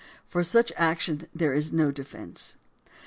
For such action there is no defence.